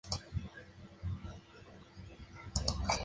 Ciclismo será dividido en disciplinas de pista y ruta.